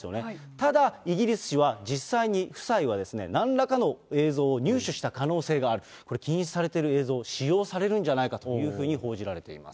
ただ、イギリス紙は、実際に、夫妻はなんらかの映像を入手した可能性がある、これ、禁止されている映像、使用されるんじゃないかというふうに報じられています。